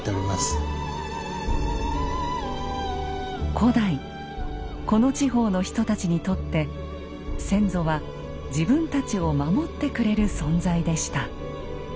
古代この地方の人たちにとって先祖は自分たちを守ってくれる存在でした。